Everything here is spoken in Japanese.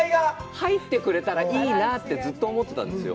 入ってくれたらいいなってずっと思ってたんですよ。